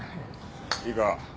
いいか？